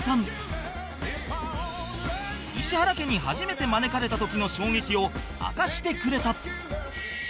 石原家に初めて招かれた時の衝撃を明かしてくれた